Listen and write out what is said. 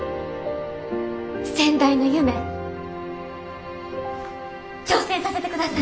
先代の夢挑戦させてください！